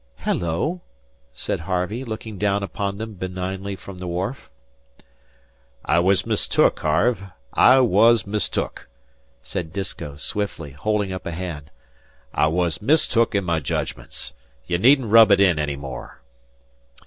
"Hello!" cried Harvey, looking down upon them benignly from the wharf. "I wuz mistook, Harve. I wuz mistook," said Disko, swiftly, holding up a hand. "I wuz mistook in my jedgments. Ye needn't rub in any more."